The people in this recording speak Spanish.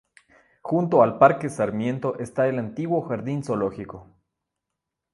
Junto al Parque Sarmiento está el antiguo Jardín Zoológico.